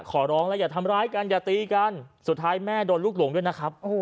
ขอร้องแล้วอย่าทำร้ายกันอย่าตีกันสุดท้ายแม่โดนลูกหลงด้วยนะครับ